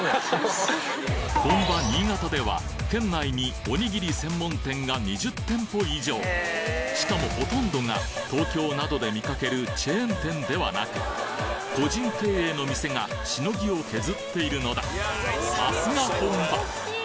本場新潟ではしかもほとんどが東京などで見かけるチェーン店ではなく個人経営の店がしのぎを削っているのださすが本場！